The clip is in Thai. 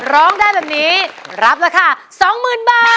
ร้องได้แบบนี้รับราคาสองหมื่นบาท